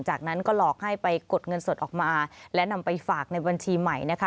จากนั้นก็หลอกให้ไปกดเงินสดออกมาและนำไปฝากในบัญชีใหม่นะคะ